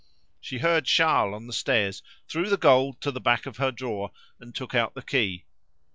She heard Charles on the stairs; threw the gold to the back of her drawer, and took out the key.